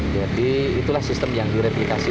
jadi itulah sistem yang direplikasi